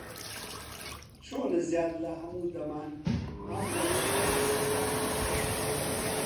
چۆنە زیاد لە هەموو دەمان، ئەمڕۆ دەمبەنە سەیرانێ؟